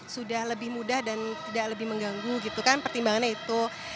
sudah lebih mudah dan tidak lebih mengganggu gitu kan pertimbangannya itu